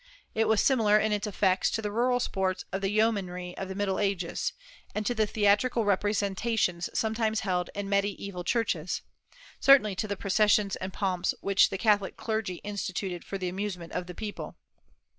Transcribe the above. It was similar in its effects to the rural sports of the yeomanry of the Middle Ages, and to the theatrical representations sometimes held in mediaeval churches, certainly to the processions and pomps which the Catholic clergy instituted for the amusement of the people.